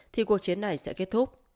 thì cuộc chiến này sẽ kết thúc